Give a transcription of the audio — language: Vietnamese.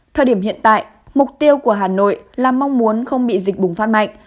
thời điểm hiện tại mục tiêu của hà nội là mong muốn không bị dịch bùng phát mạnh